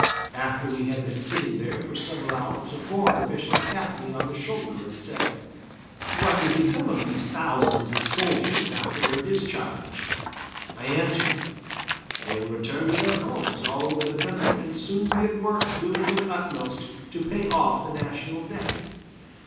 After we had been sitting there for several hours a foreign official tapped me on the shoulder and said: "What will become of these thousands of soldiers after their discharge?" I answered: "They will return to their homes all over the country and soon be at work doing their utmost to pay off the national debt."